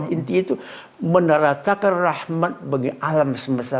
intinya itu meneratakan rahmat bagi alam semesta